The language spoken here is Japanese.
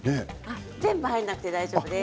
全部入らなくて大丈夫です。